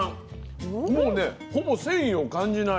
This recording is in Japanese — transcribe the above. もうねほぼ繊維を感じない。